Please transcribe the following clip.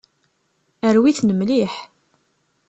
Rwi-ten mliḥ.